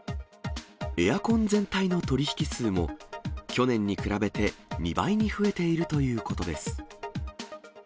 エアコン全体の取り引き数も、去年に比べて、２倍に増えているということです。